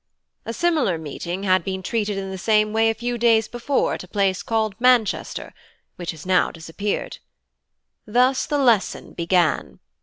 A similar meeting had been treated in the same way a few days before at a place called Manchester, which has now disappeared. Thus the 'lesson' began.